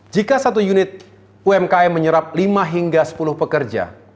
jika satu unit umkm menyerap lima hingga sepuluh pekerja